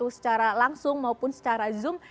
secara langsung maupun secara zoom